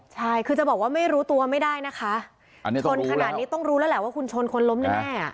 ใช่คือจะบอกว่าไม่รู้ตัวไม่ได้นะคะชนขนาดนี้ต้องรู้แล้วแหละว่าคุณชนคนล้มแน่